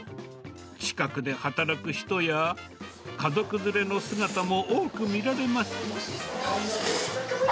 近くで働く人や、家族連れの姿も多く見られます。